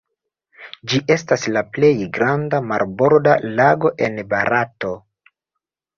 Ĝi estas la plej granda marborda lago en Barato.